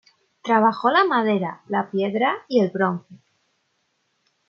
Trabajó la madera, la piedra y el bronce.